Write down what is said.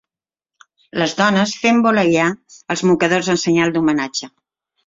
Les dones fent voleiar els mocadors en senyal d'homenatge